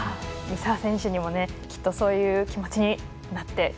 三澤選手もきっとそういう気持ちになって。